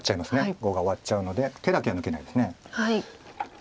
碁が終わっちゃうので手だけは抜けないです。